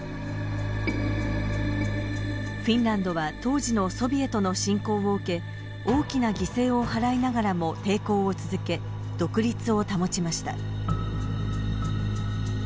フィンランドは当時のソビエトの侵攻を受け大きな犠牲を払いながらも抵抗を続け独立を保ちました。